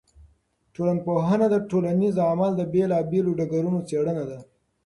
ټولنپوهنه د ټولنیز عمل د بېلا بېلو ډګرونو څېړنه ده.